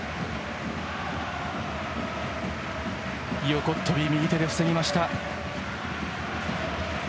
横っ飛び、右手で防ぎました。